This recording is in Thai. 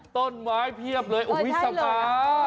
ต้นไม้เพี้ยบเลยโอ้โหวีสับผ้า